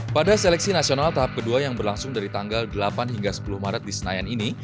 pada seleksi nasional tahap kedua yang berlangsung dari tanggal delapan hingga sepuluh maret di senayan ini